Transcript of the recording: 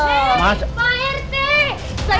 pak retek saya mau lapor